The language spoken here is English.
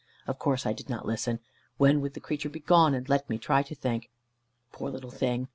Of course, I did not listen. When would the creature be gone, and let me try to think? Poor little thing!